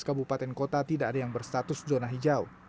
tiga kabupaten kota tidak ada yang berstatus zona hijau